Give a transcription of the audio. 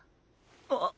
あっ。